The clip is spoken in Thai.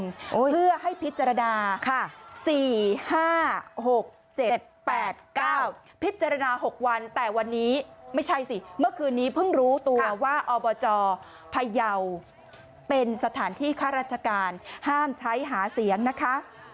เพื่อให้พิจารณา๔๕๖๗๘๙พิจารณา๖วันแต่วันนี้ไม่ใช่สิเมื่อคืนนี้เพิ่งรู้ตัวว่าอบจพยาวเป็นสถานที่ข้าราชการห้ามใช้หาเสียงนะคะ